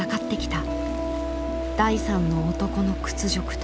第３の男の屈辱と。